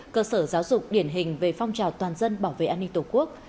cơ sở giáo dục điển hình về phong trào toàn dân bảo vệ an ninh tổ quốc